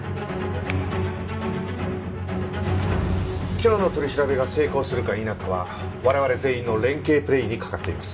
今日の取り調べが成功するか否かは我々全員の連係プレーにかかっています。